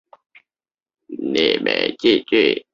弗洛伊德也曾提出过一种游戏的理论。